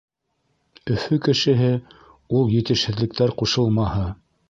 Өфө кешеһе — ул етешһеҙлектәр ҡушылмаһы.